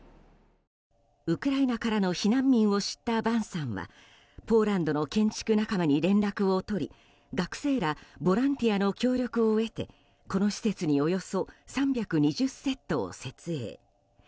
ウクライナからの避難民を知った坂さんはポーランドの建築仲間に連絡を取り学生らボランティアの協力を得てこの施設におよそ３２０セットを設営。